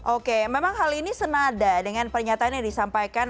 oke memang hal ini senada dengan pernyataan yang disampaikan